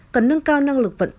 cần nâng cao năng lực vận chuyển